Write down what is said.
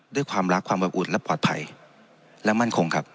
ด้วยความรักความอบอุ่นและปลอดภัยและมั่นคงครับ